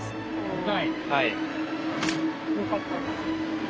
はい。